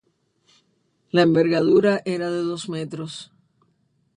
La envergadura era de dos metros.